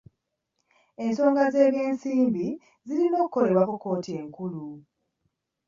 Ensonga z'ebyensimbi zirina kukolebwako kkooti enkulu.